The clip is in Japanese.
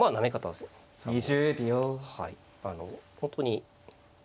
はい。